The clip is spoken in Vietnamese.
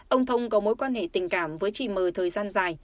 ông thông có mối quan hệ tình cảm với chị mờ thời gian dài